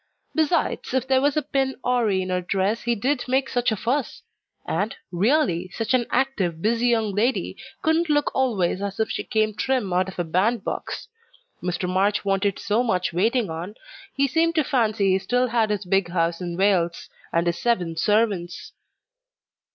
Besides, if there was a pin awry in her dress he did make such a fuss and, really, such an active, busy young lady couldn't look always as if she came trim out of a band box. Mr. March wanted so much waiting on, he seemed to fancy he still had his big house in Wales, and his seven servants."